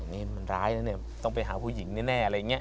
นี่มันร้ายนะเนี่ยต้องไปหาผู้หญิงแน่อะไรอย่างนี้